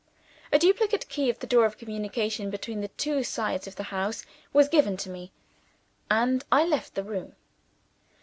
A duplicate key of the door of communication between the two sides of the house was given to me; and I left the room.